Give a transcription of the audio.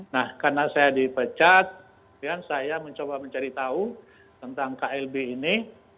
nah karena saya dipecat kemudian saya mencoba mencari tahu tentang klb ini